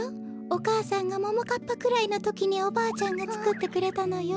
お母さんがももかっぱくらいのときにおばあちゃんがつくってくれたのよ。